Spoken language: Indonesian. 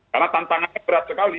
karena tantangannya berat sekali